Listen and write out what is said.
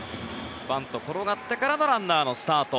バント、転がってからのランナーのスタート。